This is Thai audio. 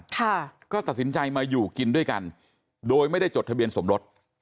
ค่ะก็ตัดสินใจมาอยู่กินด้วยกันโดยไม่ได้จดทะเบียนสมรส